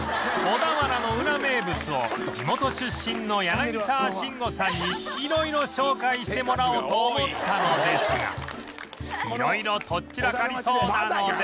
小田原のウラ名物を地元出身の柳沢慎吾さんに色々紹介してもらおうと思ったのですが色々とっ散らかりそうなので